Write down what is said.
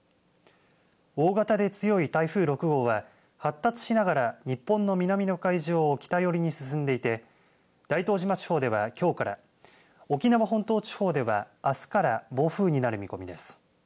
大型で強い台風６号は発達しながら日本の南の海上を北寄りに進んでいて大東島地方ではきょうから沖縄本島地方ではあすから暴風になる見込みです。